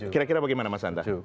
kira kira bagaimana mas santa